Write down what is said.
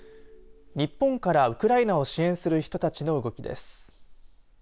日本からウクライナを支援する人たちの動きです。